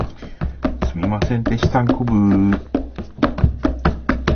すみませんでしたんこぶ